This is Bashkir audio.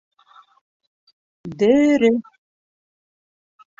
Дөрөҫ!